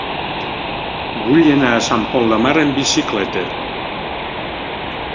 Vull anar a Sant Pol de Mar amb bicicleta.